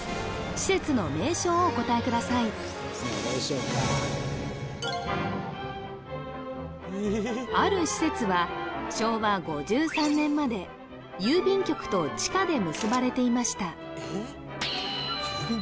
施設の名称をお答えくださいある施設は昭和５３年まで郵便局と地下で結ばれていました